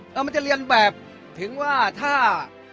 แล้วมันจะเรียนแบบถึงว่าถ้า